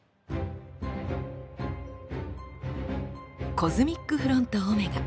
「コズミックフロントΩ」。